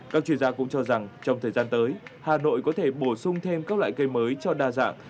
các chuyên gia cũng cho rằng trong thời gian tới hà nội có thể bổ sung thêm các loại cây mới cho đa dạng